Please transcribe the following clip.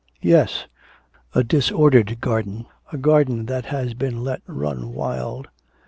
'Yes; a disordered garden, a garden that has been let run wild.'